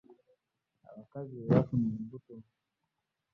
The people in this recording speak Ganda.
Abakazi be bafuna embuto.